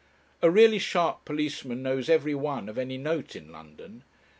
A really sharp policeman knows every one of any note in London.